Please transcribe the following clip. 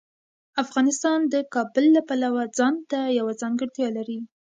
افغانستان د کابل له پلوه ځانته یوه ځانګړتیا لري.